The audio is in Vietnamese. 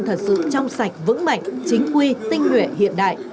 thật sự trong sạch vững mạnh chính quy tinh nguyện hiện đại